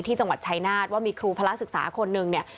ที่จังหวัดชายนาฏว่ามีครูพระราชศึกษาคนนึงเนี่ย